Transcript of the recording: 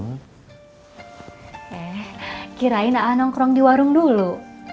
eh kirain aa nongkrong di warung dulu